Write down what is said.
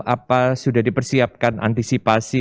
apa sudah dipersiapkan antisipasi